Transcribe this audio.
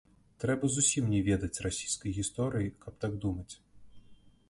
Трэба зусім не ведаць расейскай гісторыі, каб так думаць.